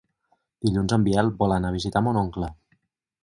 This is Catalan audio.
Dilluns en Biel vol anar a visitar mon oncle.